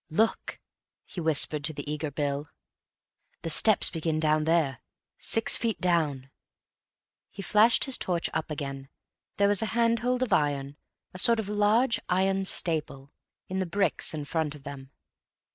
"Look," he whispered to the eager Bill. "The steps begin down there. Six feet down." He flashed his torch up again. There was a handhold of iron, a sort of large iron staple, in the bricks in front of them.